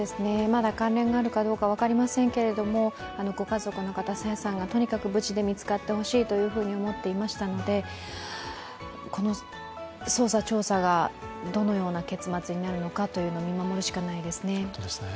まだ関連があるかどうか分かりませんけれどもご家族の方、朝芽さんがとにかく無事で見つかってほしいといましたので、この捜査・調査がどのような結末になるかを見守るしかないですね。